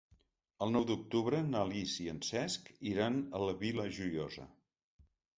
El nou d'octubre na Lis i en Cesc iran a la Vila Joiosa.